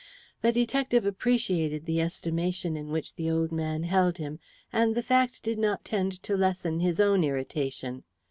The detective appreciated the estimation in which the old man held him, and the fact did not tend to lessen his own irritation.